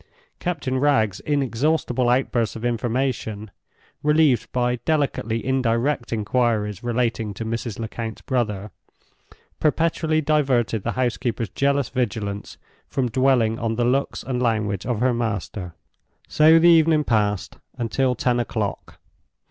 Captain Wragge's inexhaustible outbursts of information—relieved by delicately indirect inquiries relating to Mrs. Lecount's brother—perpetually diverted the housekeeper's jealous vigilance from dwelling on the looks and language of her master. So the evening passed until ten o'clock.